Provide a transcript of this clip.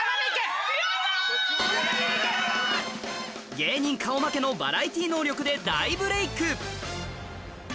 芸人顔負けのバラエティー能力で大ブレーク